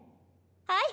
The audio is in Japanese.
はい。